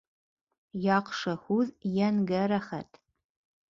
Яҡшы һүҙ йәнгә рәхәт